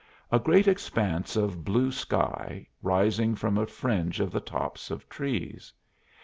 A great expanse of blue sky, rising from a fringe of the tops of trees.